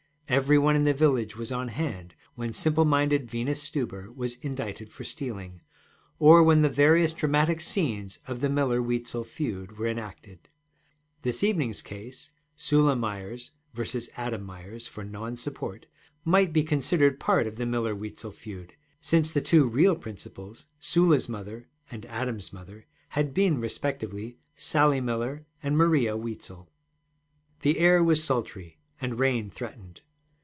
Every one in the village was on hand when simple minded Venus Stuber was indicted for stealing, or when the various dramatic scenes of the Miller Weitzel feud were enacted. This evening's case, Sula Myers vs. Adam Myers for non support, might be considered part of the Miller Weitzel feud, since the two real principals, Sula's mother and Adam's mother, had been respectively Sally Miller and Maria Weitzel. The air was sultry, and rain threatened.